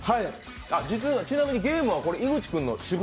ちなみにゲームはこれ井口君の私物？